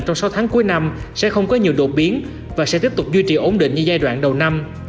trong sáu tháng cuối năm sẽ không có nhiều đột biến và sẽ tiếp tục duy trì ổn định như giai đoạn đầu năm